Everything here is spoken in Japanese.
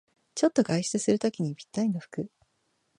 ちょっと外出するときにぴったりの服